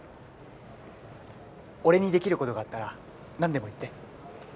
俺にできることがあったら何でも言って。